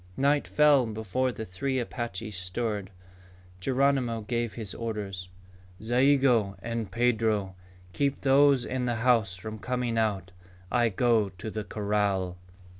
Night fell before the three Apaches stirred. Geronimo gave his orders. "Zayigo and Pedro, keep those in the house from coming out. I go to the corral."